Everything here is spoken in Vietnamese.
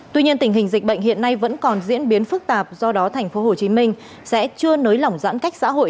tuy nhiên tình hình dịch bệnh hiện nay vẫn còn diễn biến phức tạp do đó tp hcm sẽ chưa nới lỏng giãn cách xã hội